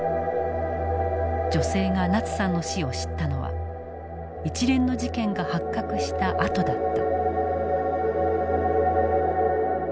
女性がナツさんの死を知ったのは一連の事件が発覚したあとだった。